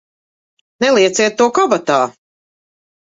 Nelieciet to kabatā!